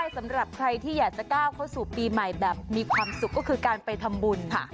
สำหรับใครที่อยากจะก้าวเข้าสู่ปีใหม่แบบมีความสุขก็คือการไปทำบุญ